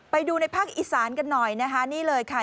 ไปดูในภาคอีสานกันหน่อยนะคะ